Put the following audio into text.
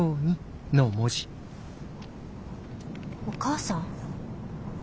お母さん？